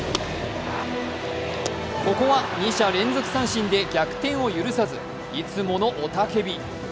ここは２者連続三振で逆転を許さずいつもの雄たけび。